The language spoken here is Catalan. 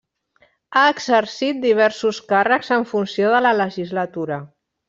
Ha exercit diversos càrrecs en funció de la legislatura.